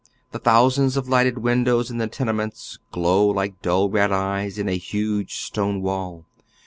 The thousands of lighted windows in the tenements glow like dull red eyes in a huge stone wall.